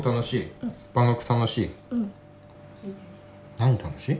何で楽しい？